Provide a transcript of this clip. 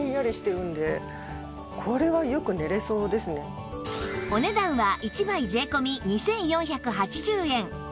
さらにお値段は１枚税込２４８０円